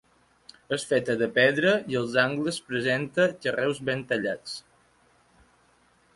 És feta de pedra i als angles presenta carreus ben tallats.